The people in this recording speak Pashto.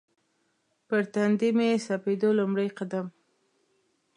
پر تندي مې سپېدو لومړی قدم